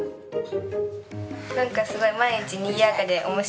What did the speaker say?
なんかすごい毎日にぎやかで面白いです。